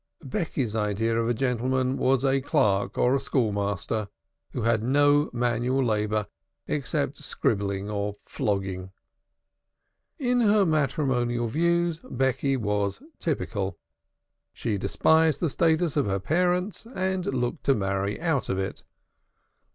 Becky's idea of a gentleman was a clerk or a school master, who had no manual labor except scribbling or flogging. In her matrimonial views Becky was typical. She despised the status of her parents and looked to marry out of it.